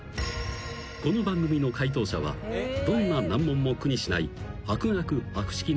［この番組の解答者はどんな難問も苦にしない］